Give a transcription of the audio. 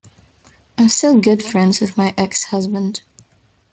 I'm still good friends with my ex-husband.